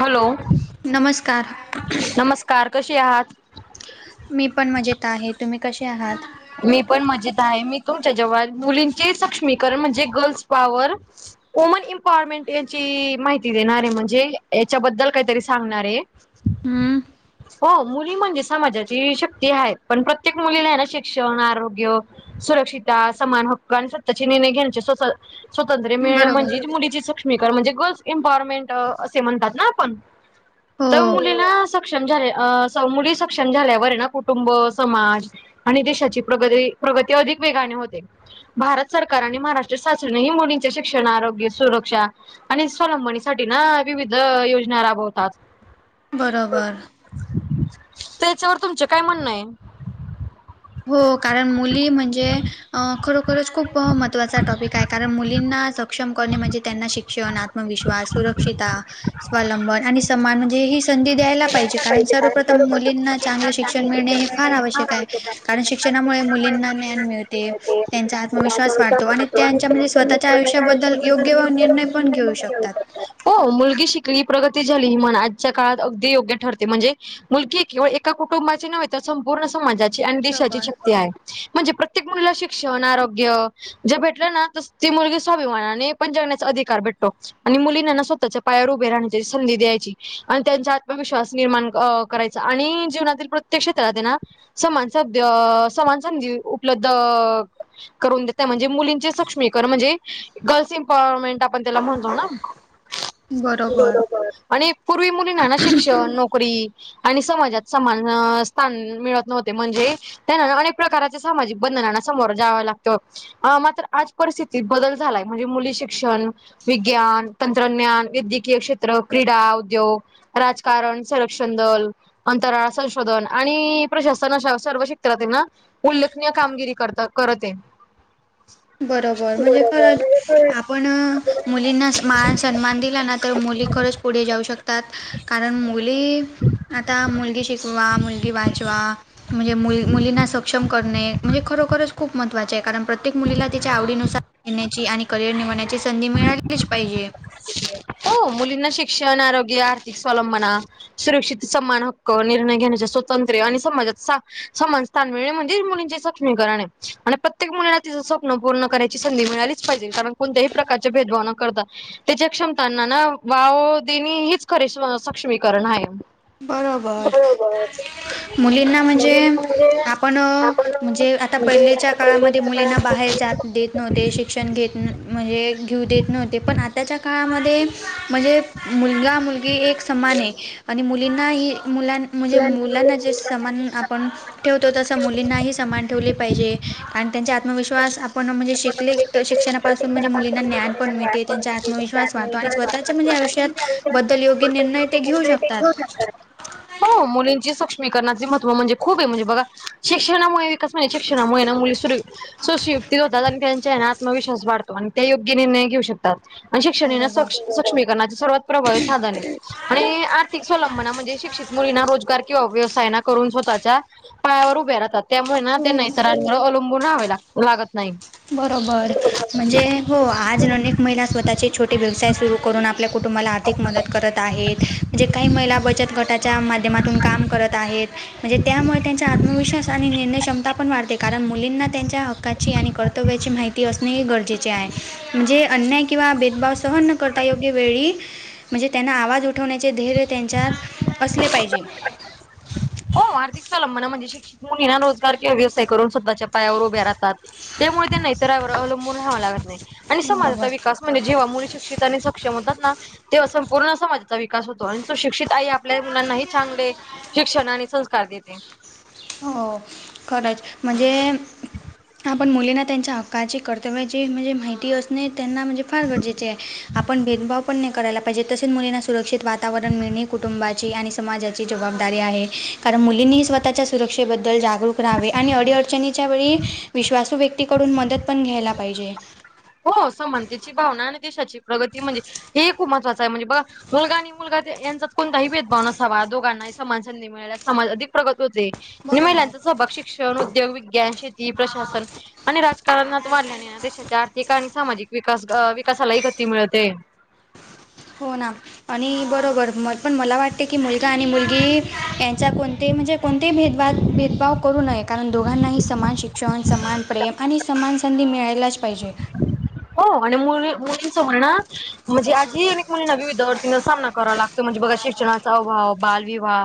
Hello नमस्कार नमस्कार कशे आहात? मी पण मजेत आहे तुम्ही कशे आहात? मी पण मजेत आहे मी तुमच्या जेव्हा मुलींचे सक्ष्मीकरण म्हणजे गर्ल्स पॉवर- वुमन एम्पॉवरमेंट यांची माहिती देणारी म्हणजे याच्याबद्दल काहीतरी सांगणार आहे. हम्म. हो मुली म्हणजे समाजाची शक्ती आहे पण प्रत्येक मुलीला आहे ना शिक क्षण आरोग्य सुरक्षितता समान हक्क आणि स्वतःचे निर्णय घेण्याचे स्वतः स्वातंत्र्य मिळणे बरोबर म्हणजे मुलीची सक्ष मी करण म्हणजे गर्ल्स इम्पाॅवरमेंट असं म्हणतात ना आपण हो तेव्हा मुलींना स क्षम झाल्या अ स मुली सक्षम झाल्यावर ना कुटुंब समाज आणि देशाची प्रगती प्रगती अधिक वेगाने होते भारत सरकार आणि महाराष्ट्र शासननेही मुलींच्या शिक्षण आरोग्य सुरक्षा आणि स्वलंबनीसाठीना विविध योजना राबवतात बरोबर त्याच्यावर तुमचे काय म्हणणं आहे हो कारण मुली म्हणजे अ खरोखरच खूप महत्त्वाचा टॉपिक आहे कारण मुलींना सक्षम करणे म्हणजे त्यांना शिक्षणात आत्मविश्वास सुरक्षिता स्वलंबन आणि सन्मान म्हणजे हिच संधी द्यायला पाहिजे कारण सर्वप्रथम मुलींना चांगले शिक्षण मिळणे हे फार आवश्यक आहे कारण शिक्षणामुळे मुलींना ज्ञान मिळते त्यांचा आत्मविश्वास वाढतो आणि त्यांच्या म्हणजे स्वतःच्या आयुष्याबद्दल योग्य व निर्णय पण घेऊ शकतात हो मुलगी शिकली प्रगती झाली म्हण आजच्या काळात अगदी योग्य ठरते म्हणजे मुलगी केवळ एका कुटुंबाची नव्हे तर संपूर्ण समाजाची देशाची बरोबर शक्ती आहे म्हणजे प्रत्येक मुलीला शिक्षण आरोग्य जे भेटलं ना ती मुलगी स्वाभिमानाने पण जगण्याचा अधिकार भेटतो आणि मुलींना ना स्वतःच्या पायावर उभे राहण्याची एक संधी द्यायची अन त्यांचा आत्मविश्वास निर्माण अ करायचा आणि जीवनातील प्रत्येक क्षेत्रात हे ना समान सब्ध समान संधी उपलब्ध करून देेत म्हणजे मुलींचे सक्ष्मीकरण म्हणजे गर्ल्स इम्पॉवरमेंट आपण त्याला म्हणतो ना बरोबर आणि पूर्वी मुलीना आहे ना शिक्षण नोकरी आणि समाजात समान स्थान मिळत नव्हते म्हणजे त्याना जवा अनेक प्रकारच्या सामाजिक बंधनांना सामोरं जावं लागतं अ मात्र आज परिस्थितीत बदल झालाय म्हणजे मुली शिक्षण विज्ञान, तंत्रज्ञान, वैद्यकीय क्षेत्र, क्रीडा, उद्योग राजकारण संरक्षण दल अंतराळ संशोधन आणि प्रशासन अशा सर्व क्षेत्रात आहे ना उल्लेखनीय कामगिरी करता करत आहे. बरोबर म्हणजे खरं आपण मुलींना मान सन्मान दिला ना तर मुली खरंच पुढे जाऊ शकतात कारण मुली आता मुलगी शिकवा मुलगी वाचवा. म्हणजे मु मुलींना सक्षम करणे म्हणजे खरोखरचं खूप महत्त्वाचे आहे कारण प्रत्येक मुलीला तिच्या आवडीनुसार घेण्याची आणि करिअर निवडण्याची संधी मिळालीच पाहिजे. हो मुलींना शिक्षण, आरोग्य, आर्थिक स्वलंबना सुरक्षित समान हक्क निर्णय घेण्याच्या स्वातंत्र्य आणि समाजात समान समानता म्हणजे मुलींचे सुक्ष्मीकरण आहे आणि प्रत्येक मुलीलचं स्वप्न पूर्ण कराची संधी मिळालीच पाहिजे कारण कोणत्याही प्रकारचे भेदभाव करता. त्याच्या क्षमतांना ना वाव देनी हीच खरी सक्ष्मीकरण आहे. बरोबर मुलींना म्हणजे आपण म्हणजे आता पहिलेच्या काळामध्ये मुलींना बाहेर जात देत नव्हते. ते शिक्षण घेत म्हणजे घेऊ देत नव्हते पण आताच्या काळामध्ये म्हणजे मुलगा मुलगी एक सन्मान आहे आणि मुलीं नाही मुलां म्हणजे मुलांना जे सामान आपण ठेवतो तसं मुलींनाही सामान ठेवले पाहिजे. कारण त्यांचा आत्मविश्वास आपण म्हणजे शिकले शिक्षणापासून म्हणजे मुलींना ज्ञान पण मिळते. त्यांचा आत्मविश्वास वाटतो आणि स्वतःच्या म्हणजे आयुष्यात बद्दल योग्य निर्णय ते घेऊ शकतात. ह हो मुलींची सूक्ष्मी करण्याचे महत्त्व म्हणजे खूप आहे म्हणजे बघा शिक्षणामुळे विकास म्हणे शिक्षणामुळे ना मुली सुर सुशयुक्त होतात आणि त्यांच्या आत्मविश्वास वाढतो आणि ते योग्य निर्णय घेऊ शकतो. शिक्षण हे ना बरोबर सुशमीकरणात सर्वात प्रभावी साधन आहे आणि आर्थिक स्वलंना म्हणजे शित मुलींना रोजगार किंवा व्यवसाय करून स्वतःच्या पायावर उभे राहतात. त्यामुळे ना त्यांना इतरांना वर अवलंबून राहावे लाग लागतं नाही. बरोबर म्हणजे हो आज अनेक महिला स्वतःचे छोटी व्यवसाय सुरू करून आपल्या कुठं कुटुंबाला आर्थिक मदत करत आहेत जे काही महिला बचत गटाच्या माध्यमातून काम करत आहेत म्हणजे त्यामुळे त्यांचा आत्मविश्वास आणि निर्णय क्षमता पण वाढते कारण मुलींना त्यांच्या हक्काची आणि करत हयाची माहिती असणे गरजेचे आहे म्हणजे अन्याय किवा भेदभाव कर योग्य वेळी म्हणजे त्यांना आवाज उठवण्याचे ध्येर्य त्यांच्या असं पाहिजे. हो आर्थिक स्वलंबना म्हणजे शिक्षित मुलींना रोजगार किंवा व्यवसाय करून स्वतःच्या पायावर उभ्या राहतात. त्यामुळे त्यांना इतरावर अवलंबून राहवं लागतं नाही आणि समाजाचा बरोबर विकास म्हणजे जेव्हा मुली शिक्षित आणि सक्षम होतात ना ते संपूर्ण समाजाचा विकास होतो आणि तो शिक्षित आई आपल्या मुलांनाही चांगले शिक्षण आणि संस्कार देते. हो खरंच म्हणजे आपण मुलींना त्यांच्या हक्काची कर्तव्याची माहिती- नाही त्यांना म्हणजे फार गरजेचे आहे आपण भेदभाव पण नाही करायला पाहिजे तसेच मुलींना सुरक्षित वातावरण मिळणे कुटुंबाची आणि समाजाची जबाबदारी आहे. कारण मुलींनीही स्वतःच्या सुरक्षेबद्दल जागरूक राहावे. आणि अडी अडचणीच्या वेळी विश्वासू व्यक्तीकडून मदत पण घ्यायला पाहिजे. हो समानतेची भावना आणि देशाची प्रगती म्हणजे हे ही खूप महत्त्वाच आहे. म्हणजे बघा मुलगा आणि मुलगा यांचाच कोणताही भेदभाव नसावा. दोघांनाही समान संधी समाज अधिक प्रगत होते. आणि बरोबर महिलांचा सहभाग शिक्षण उद्योग विद्यान शेत ती प्रशासन आणि राजकारणात वाढल्याने देशाचे आर्थ र्थिक आणि सामाजिक विकास अ विकासालाही गती मिळते. हो ना आणि बरोबर म पण मला वाटते की, मुलगा आणि मुलगी यांचा कोणतेही म्हणजे कोणतेही भेदभा भेदभाव करू नये. कारण दो दोघांनाही समान शिक्षण, समान प्रेम आणि समान संधी मिळायलाच पाहिजे. हो आणि मुली मुलींच म्हणण म्हणजे आज ही अनेक मुलीना विविध अडचणीना सामना कराव लागतो. म्हणजे बघा शिक्षणाचा अभाव, बालविवाह,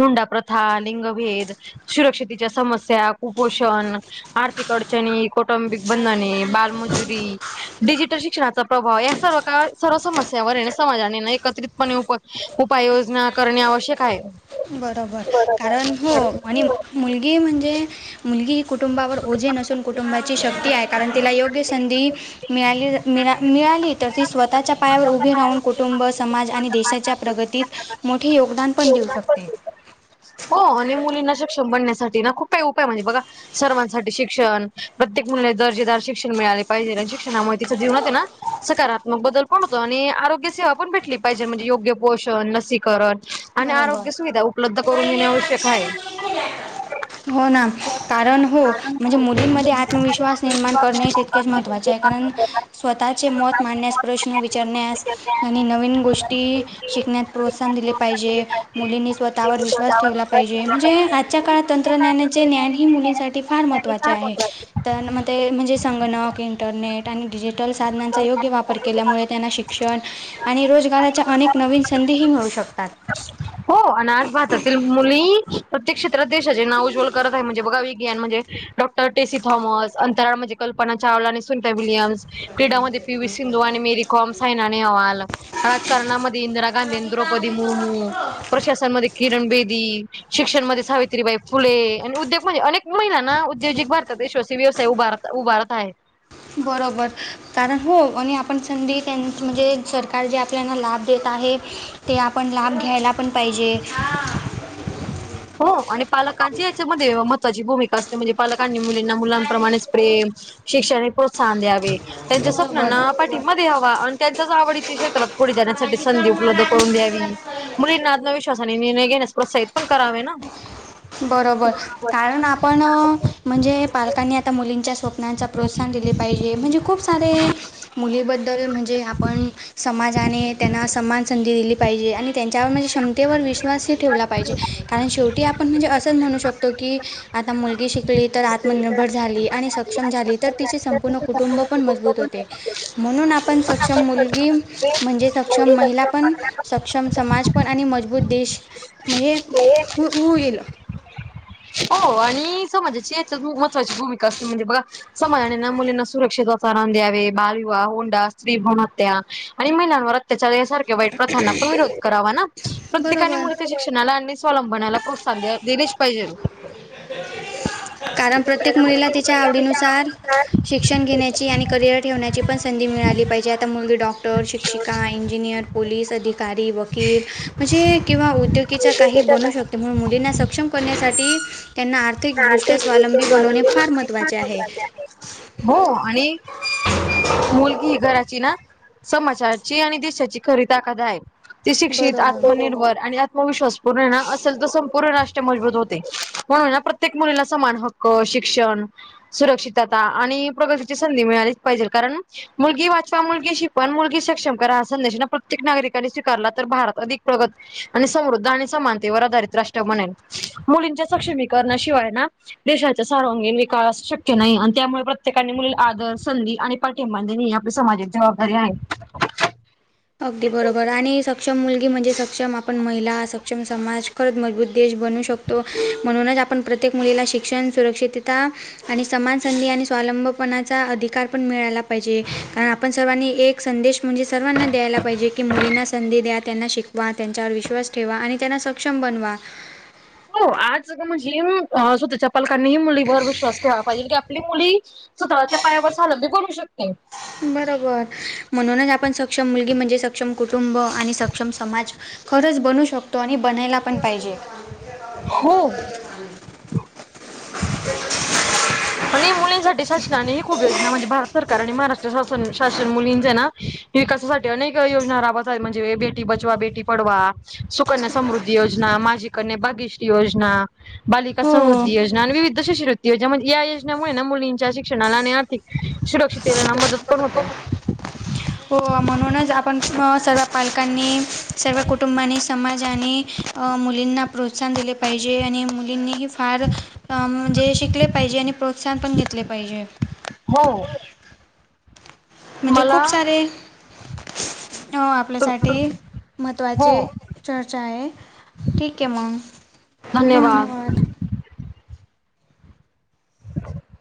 हुंडा प्रथा, लिंगभेद सुरक्षेच्या समस्या, कुपोषण आर्थिक अडचणी, कौटुंबिक बंधने, बालमज जुरी, डिजिटल शिक्षणाचा प्रभाव या सर्व का सर्व समस्यावर समाजाने न एकत्रितपणे उपाययोजना करणे आवश्यक आहे. बरोबर. कारण हो आणि मुलगी म्हणजे मुलगी ही कुटुंबावर ओझे नसून कुटुंबाची शक्ती आहे. कारण तिला योग्य संधी मिळाली मिना मिळाली तर, ती स्वतःच्या पायावर उभी राहून कुटुंब समाज आणि देशाच्या प्रगतीत मोठे योगदान पण देऊ शक हो आणि मुलींना सक्षम बनण्यासाठी ना खूप काही उपाय म्हणजे बघा सर्वांसाठी शिक्षण प्रत्येक मुलीला दर्जेदार शिक्षण मिळाले पाहिजे. आणि शिक्षणामुळे तिच्या जीवनात ये ना, सकारात्मक बदल पण होतो. आणि आरोग्य सेवा पण भेटली पाहिजे. म्हणजे योग्य पोषण, लसीकरण आणि बरोबर आरोग्य सुविधा उपलब्ध करून देणे. आवश्यक हाये. हो ना, कारण हो. म्हणजे मुलींमध्ये आत्मविश्वास निर्माण करणें तितकेच महत्त्वाचे आहे. कारण स्वतः चे मत मांडण्यास, प्रश्न विचारण्यास आणि नवीन गोष्टी शिकण्यात प्रोत्साहन दिले जे. मुलींनी स्वतःवर विश्वास ठेवला पाहिजे. म्हणजे ते आजच्या काळात तंत्रज्ञानचे ज्ञान ही मुलींसाठी फार महत्त्वाचे आहे. तनं म ते म्हणजे संगणक, इंटरनेट आणि डिजिटल साधनांचा योग्य वापर केल्यामुळे त्यांना शिक शिक्षण आणि रोजगाराच्या अनेक नवीन संधीही मिळू शकतात. हो. आणि आज भारतातील मुली प्रत्येक क्षेत्रात देशाचे नाव उज्वल करत आहे. म्हणजे बघा एक [unintelligible] म्हणजे डॉ. टी सी थॉमस, अंतराळ म्हणजे कल्पना चावला आणि सुनीता विलियम्स क्रीडामध्ये पी व्ही सिंधू आणि मेरी कॉम सायना नेहवाला राजकारणामध्ये इंदिरा गांधी, द्रौपदी मुर्मू, प्रशासनमध्ये किरण बेदी शिक्षणमध्ये सावित्रीबाई फुले आणि उद्योग मध्ये अनेक मुलींना ना उद्द्योजिक भारतात [unintelligible] व्यवसाय उभारत उभारत आहे. बरोबर कारण हो. आणि आपण संधी त्यां म्हणजे सरकार जे आपल्याना लाभ देत आहेत ते आपण लाभ घ्यायला पण पाहिजे. हा हो आणि पालकांची याच्यामध्ये महत्त्वाची भूमिका असते. म्हणजे पालकांनी मुलींना मुलांप्रमाणेच प्रेम शिक्षणे प्रोत्साहन द्यावे. त्यांच्या बरोबर स्वप्नांना पाठीबां द्यावा. आणि त्यांच्याच आवडीच्या क्षेत्रात पुढे जाण्यासाठी संधी उपलब्ध करून द्यावी. मुलींना आत्मविश्वा विश्वाने निर्णय घेण्यास प्रोत्साहित पण करावे ना बरोबर कारण आपण म्हणजे पालकांनी आता मुलींच्या स्वप्नांचा प्रोत्साहन दिले पाहिजे, म्हणजे खूप सारे मुलीबद्दल म्हणजे आपण समाजाने त्यांना समान संधी दिली पाहिजे आणि त्यांच्यावर म्हणजे क्षमतेवर विश्वासही ठेवला पाहिजे, कारण शेवटी आप ण, म्हणजे असंच म्हणू शकतो की, आता मुलगी शिकली तर आता आत्मनिर्भर झाली आणि सक्षम झाली, तर तिचे संपूर्ण कुटुंब पण मजबूत होते. म्हणून आपण सक्षम मुलगी म्हणजे सक्षम महिला पण, सक्षम समाज पण आणि मजबूत देश म्हणजे खुप होईल. हो आणि समाजाची याच्या महत्त्वाची भूमिका असते, म्हणजे बघा समाजाने ना मुलींना सुरक्षित वातावरण द्यावे, बाल विवाह, हुंडा, स्त्री-भ्रूण हत्या आणि महिलांवर अत्याचार यासारख्या वाईट प्रथांना पण विरोध करावा ना, प्रत्येकाने बरोबर मुलीच्या शिक्षणाला आणि स्वलंबनाला प्रोत्साहन द्या, दिलेच पाहिजेल. कारण प्रत्येक मुलीला तिच्या आवडी नुसार शिक्षण घेण्याची आणि करिअर ठेवण्याची पण संधी मिळाली पाहिजे, आता मुलगी डॉक्टर, शिक्षिका, इंजिनियर पोलीस, अधिकारी, वकील म्हणजे किंवा उद्योगीच्या काही बनू शक त्यामुळे मुलींना सक्षम करण्यासाठी त्यांना आर्थिकदृष्ट्या स्वावलंबी बनवणे फार महत्त्वाचे आहे.. हो, आणि मुलगी ही घराची ना समाजाची आणि देशाची खरी ताकद आहे. तेी शिक्षित बरोबर आत्मनिर्भर आणि आत्मविश्वास पूर्ण ना असेल तर संपूर्ण राष्ट्र मजबूत होते. म्हणुन ना प्रत्येक मुलीला समान हक्क, शिक्षण सुरक्षितता आणि अं प्रगतीची संधी मिळालीच पाहिजे, कारण मुलगी वाचवा, मुलगी शिकवा अन् मुलगी सक्षम करा हा संदेश ना प्रत्येक नागरिकाने स्वीकारला तर, भारत अधिक प्रगत होईल. आणि समृद्ध आणि समानतेवर आधारित राष्ट्र बनेल, मुलींच्या सक्षमी करणाशिवाय ना देशाचा सर्वांगीण विकास शक्य नाही आणि त्यामुळे प्रत्येकाने मुलीला आदर, संधी आणि पाठिंबा देणे ही आपली समाजिक जबाबदारी आहे. अगदी बरोबर आणि सक्षम मुलगी, म्हणजे सक्षम आपण महिला सक्षम समाज खरंच मजबूत देश बनू शकतो, म्हणूनच आपण प्रत्येक मुलीला शिक्षण सुरक्षितता आणि समान संधी आणि स्वावलंबपणाचा अधिकार पण मिळाला पाहिजे, कारण आपण सर्वांनी एक संदेश म्हणजे सर्वांना द्यायला पाहिजे, की मुलींना संधी द्या, त्यांना शिकवा, त्यांच्यावर विश्वास ठेवा आणि त्यांना सक्षम बनवा. हो आज अगं म्हणजे स्वतःच्या पालकांनी मुलीवर विश्वास ठेवाला पाहिजे की आपली मुली स्वतःच्या पायावर सलांबी बनू शकते. बरोबर म्हणूनच आपण सक्षम मुलगी म्हणजे सक्षम कुटुंब आणि सक्षम समाज खरंच बनू शकतो आणि बनायला पण पाहिजे. हो. आणि मुलींसाठी शासनाने हे खूप योजना म्हणजे भारत सरकार आणि महाराष्ट्र शासन, शासन मुलींचे ना विकासासाठी अनेक योजना राबत आहेत, म्हणजे बेटी बचवा बेटी पढवा. सुकन्या समृद्धी योजना, माझी कन्या भागीश्री योजना बालिका हो. समृद्धी योजना आणि विविध शिष्यवृत्ती योजना म्हणजे या योज ना, त्यामुळं मुलींच्या शिक्षणाला आणि आर्थिक सुरक्षितेला मदत पण होते आओ. हो म्हणूनच आपण सर्व पालकांनी, सर्व कुटुंबांनी समाजानी अं मुलींना प्रोत्साहन दिले पाहिजे आणि मुलींनीही फार. अं म्हणजे शिकले पाहिजे आणि प्रोत्साहन पण घेतले पाहिजे. हो. म्हणजे मला खूप सारे अ आपल्यासाठी हो महत्त्वाचे चर्चा आहे. ठीके मंग. धन्यवाद. [inaudible]